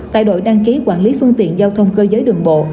tại đội đăng ký quản lý phương tiện giao thông cơ giới đường bộ